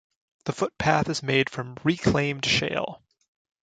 The footpath is made from reclaimed shale.